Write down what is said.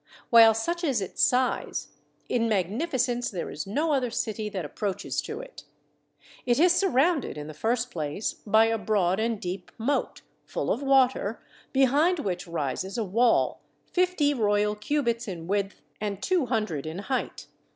While such is its size, in magnifi cence there is no other city that approaches to it. It is surrounded, in the first place, by a broad and deep moat, full of water, behind which rises a wall fifty royal cubits in width, and two hundred in height.